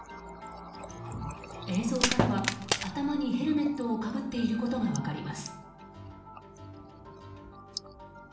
映像からは、頭にヘルメットをかぶっていることが分かります。